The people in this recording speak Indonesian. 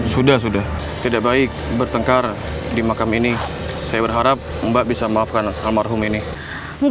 sudah sudah tidak baik bertengkar di makam ini saya berharap mbak bisa maafkan almarhum ini